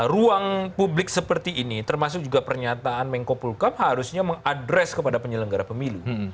ruang publik seperti ini termasuk juga pernyataan mengkopulkam harusnya mengadres kepada penyelenggara pemilu